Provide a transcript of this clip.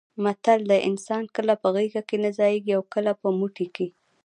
متل دی: انسان کله په غېږه کې نه ځایېږي اوکله په موټي کې.